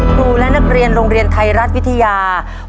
ครูและนักเรียนโรงเรียนไทยรัฐวิทยา